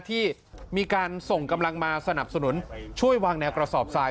ที่มีการส่งกำลังมาสนับสนุนช่วยวางแนวกระสอบทราย